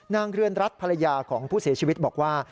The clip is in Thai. เรือนรัฐภรรยาของผู้เสียชีวิตบอกว่า